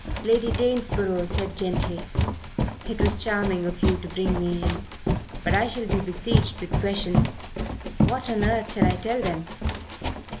Lady Danesborough said gently: "It was charming of you to bring me in. But I shall be besieged with questions. What on earth shall I tell them?"